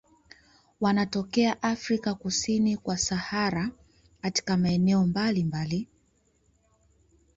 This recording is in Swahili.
Wanatokea Afrika kusini kwa Sahara katika maeneo mbalimbali.